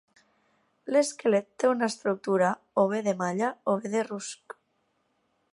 L'esquelet té una estructura o bé de malla o bé de rusc.